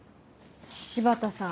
柴田さん